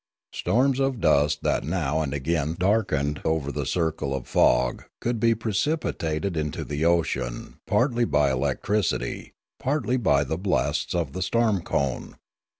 Storms of dust that now and again darkened over the circle of fog could be precipitated into the ocean partly by electricity, partly by the blasts of the storm cone.